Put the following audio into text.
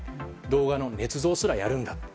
動画のねつ造すらやるんだと。